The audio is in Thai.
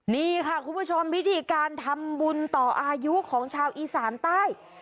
นี่ค่ะคุณผู้ชมพิธีการทำบุญต่ออายุของชาวอีสานใต้